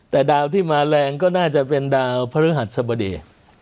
แต่ดาวที่มาแรงก็น่าจะเป็นดาวพระฤหัสสบดี